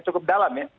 cukup dalam ya